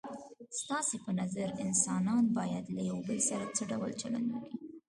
ستاسو په نظر انسانان باید له یو بل سره څه ډول چلند وکړي؟